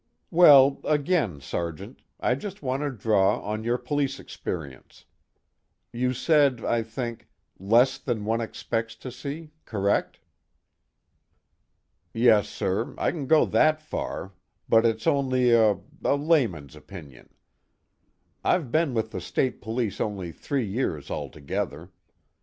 "Well, again, Sergeant, I just want to draw on your police experience. You said, I think, 'less than one expects to see' correct?" "Yes, sir, I can go that far, but it's only a a layman's opinion. I've been with the state police only three years altogether.